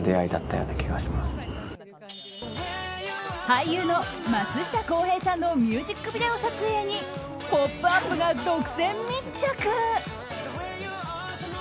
俳優の松下洸平さんのミュージックビデオ撮影に「ポップＵＰ！」が独占密着。